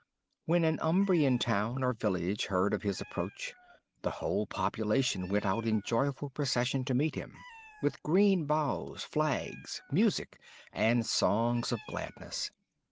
When an Umbrian town or village heard of his approach, the whole population went out in joyful procession to meet him, with green boughs, flags, music, and songs of gladness.